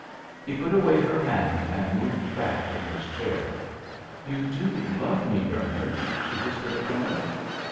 He put away her hand and moved back in his chair. "You do love me, Bernard?" she whispered again.